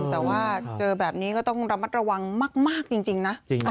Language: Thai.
แต่ว่าเจอแบบนี้ก็ต้องระมัดระวังมากมากจริงจริงนะจริงไหม